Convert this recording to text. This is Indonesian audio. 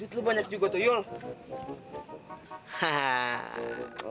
duit lu banyak juga tuh tuyul